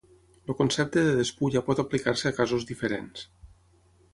El concepte de despulla pot aplicar-se a casos diferents.